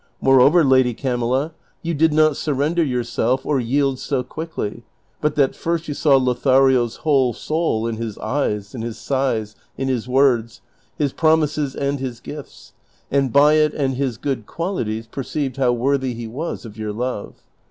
Moreover, Lady Camilla, you did not surrender yourself or yield so quickly but that first you saw Lotha rio's whole soul in his eyes, in his sighs, in his words, his promises and his gifts, and by it and his good ((ualities perci; ived how worthy he was of your love.